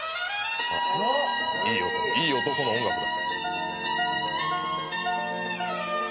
いい男の音楽だ。